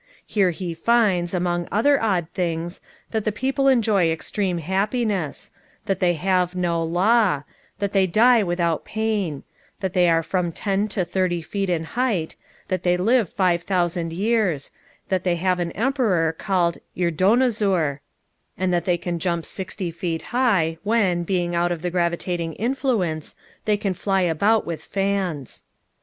Here he finds, among other odd things, that the people enjoy extreme happiness; that they have no law; that they die without pain; that they are from ten to thirty feet in height; that they live five thousand years; that they have an emperor called Irdonozur; and that they can jump sixty feet high, when, being out of the gravitating influence, they fly about with fans.